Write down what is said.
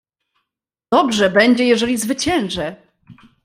"Dobrze będzie, jeżeli zwyciężę."